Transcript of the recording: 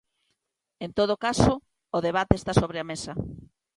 En todo caso, o debate está sobre a mesa.